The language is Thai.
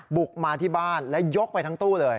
บุกมาที่บ้านและยกไปทั้งตู้เลย